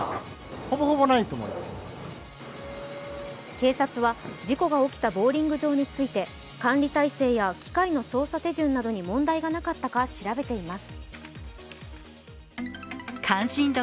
警察は、事故が起きたボウリング場について管理体制や機械の操作手順などに問題がなかったか調べています。